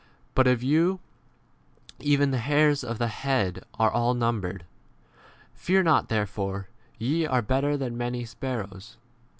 But even the hairs of your head are all numbered. Fear not therefore, ye are better than many sparrows.